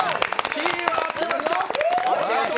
キーは合ってました。